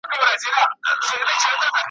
چي له هنده مي هم مال را رسېدلی ,